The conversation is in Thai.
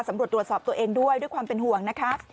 ตำรวจตรวจสอบตัวเองด้วยด้วยความเป็นห่วงนะคะ